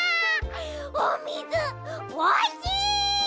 おみずおいしい！